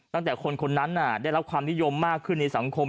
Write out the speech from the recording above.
ตั้งแต่คนคนนั้นได้รับความนิยมมากขึ้นในสังคม